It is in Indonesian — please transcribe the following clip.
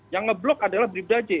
yang ngeblok adalah bribdaje